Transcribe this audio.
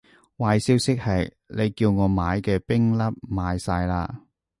壞消息係，你叫我買嘅冰粒賣晒喇